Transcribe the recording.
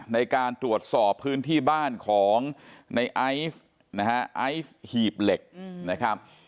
ในการตรวจสอบพื้นที่บ้านของไอศ์ไอศ์หีบเหล็ก